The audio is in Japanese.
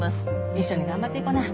一緒に頑張っていこな。